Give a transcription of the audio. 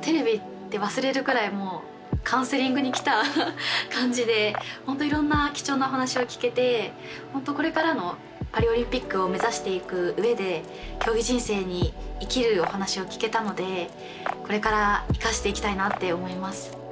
テレビって忘れるぐらいカウンセリングに来た感じでほんといろんな貴重なお話を聞けてこれからのパリオリンピックを目指していくうえで競技人生に生きるお話を聞けたのでこれから生かしていきたいなって思います。